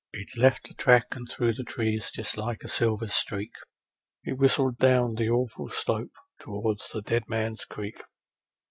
It left the track, and through the trees, just like a silver streak, It whistled down the awful slope, towards the Dead Man's Creek.